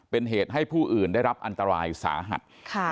เป็นเหตุให้ผู้อื่นได้รับอันตรายสาหัส